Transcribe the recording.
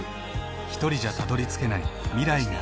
ひとりじゃたどりつけない未来がある。